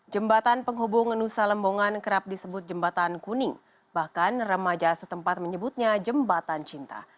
jembatan penghubung nusa lembongan kerap disebut jembatan kuning bahkan remaja setempat menyebutnya jembatan cinta